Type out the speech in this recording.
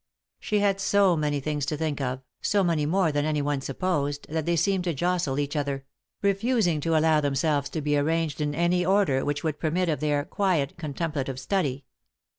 She had so many things to think of, so many more than anyone supposed, that they seemed to jostle each other ; refusing to allow themselves to be arranged in any order which would permit of their quiet contem plative study.